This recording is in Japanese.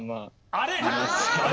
あれ？